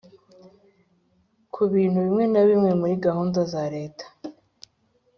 ku bintu bimwe na bimwe muri gahunda zareta